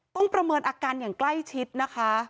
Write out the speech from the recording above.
ประเมินอาการอย่างใกล้ชิดนะคะ